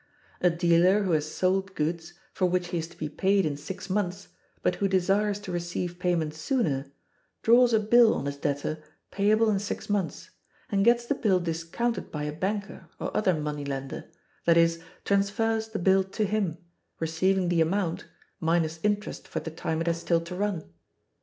A dealer who has sold goods, for which he is to be paid in six months, but who desires to receive payment sooner, draws a bill on his debtor payable in six months, and gets the bill discounted by a banker or other money lender, that is, transfers the bill to him, receiving the amount, minus interest for the time it has still to run.